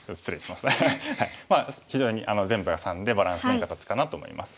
まあ非常に全部が３でバランスのいい形かなと思います。